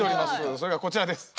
それがこちらです。